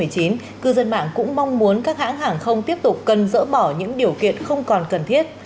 cư dân mạng cũng mong muốn các hãng hàng không tiếp tục cần dỡ bỏ những điều kiện không còn cần thiết